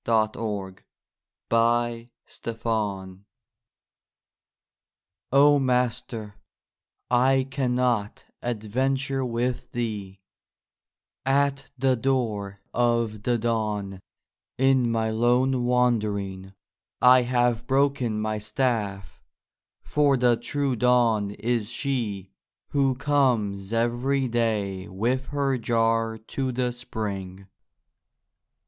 49 THE LOST DISCIPLE O Master, I can not adventure with thee; At the Door of the Dawn, in my lone wandering, I have broken my staff; for the true dawn is she Who comes every day with her jar to the spring.